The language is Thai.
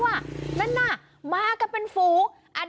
นั่นน่ะมากันเป็นฝูง